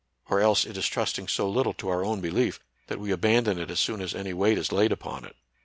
Or else it is trusting so little to our own belief that we abandon it as soon as any weight is laid upon it.